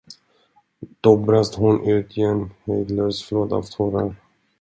Då brast hon ut i en hejdlös flod av tårar.